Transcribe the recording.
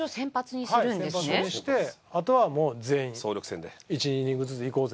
先発にしてあとはもう全員１イニングずついこうぜと。